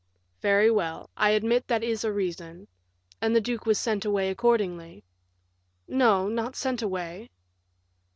"Very well, I admit that is a reason; and the duke was sent away accordingly." "No, not sent away."